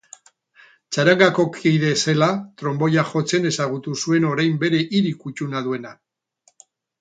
Txarangako kide zela, tronboia jotzen ezagutu zuen orain bere hiri kuttuna duena.